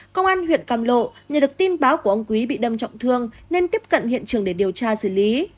công an huyện cam lộ nhận được tin báo của ông quý bị đâm trọng thương nên tiếp cận hiện trường để điều tra xử lý